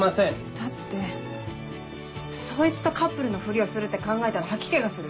だってそいつとカップルのふりをするって考えたら吐き気がする。